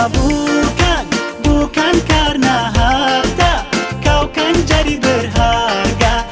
bukan bukan karena harta kau kan jadi berharga